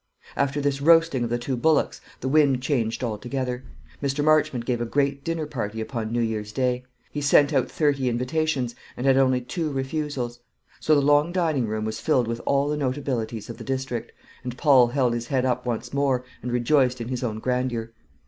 After this roasting of the two bullocks the wind changed altogether. Mr. Marchmont gave a great dinner party upon New Year's Day. He sent out thirty invitations, and had only two refusals. So the long dining room was filled with all the notabilities of the district, and Paul held his head up once more, and rejoiced in his own grandeur.